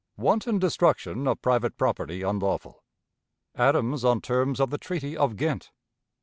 Wanton Destruction of Private Property unlawful Adams on Terms of the Treaty of Ghent.